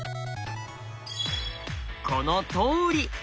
このとおり。